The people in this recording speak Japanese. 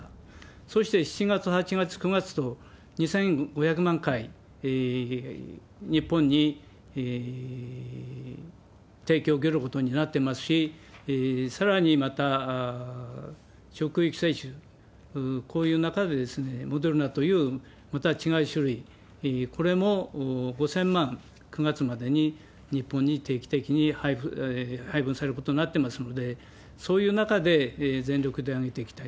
そして７月、８月、９月と２５００万回、日本に提供を受けることになってますし、さらにまた、職域接種、こういう中でモデルナというまた違う種類、これも５０００万、９月までに日本に定期的に配分されることになってますので、そういう中で、全力で挙げていきたい。